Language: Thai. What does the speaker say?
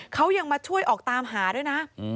เขายังมาช่วยออกตามหาด้วยนะ